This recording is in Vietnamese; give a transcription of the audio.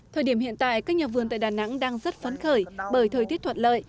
thời điểm hiện tại các nhà vườn tại đà nẵng đang rất phấn khởi bởi thời tiết thuận lợi